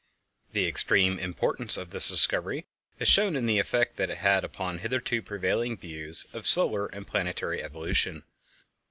The extreme importance of this discovery is shown in the effect that it has had upon hitherto prevailing views of solar and planetary evolution.